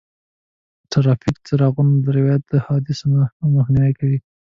د ټرافیک څراغونو رعایت د حادثو مخنیوی کوي.